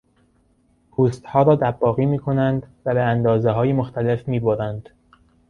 پوستها را دباغی میکنند و به اندازههای مختلف میبرند.